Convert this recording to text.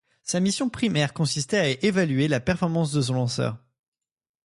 Sa mission primaire consistait à évaluer la performance de son lanceur.